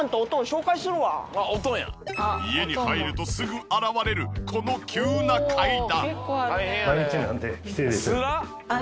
家に入るとすぐ現れるこの急な階段。